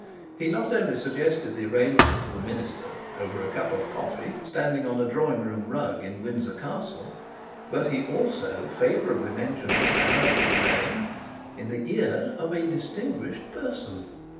He not only suggested the arrangement to the minister over a cup of coffee, standing on a drawing room rug in Windsor Castle, but he also favourably mentioned Mr Arabin's name in the ear of a distinguished person.